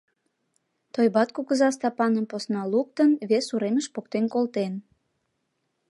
Тойбат кугыза Стапаным посна луктын, вес уремыш поктен колтен.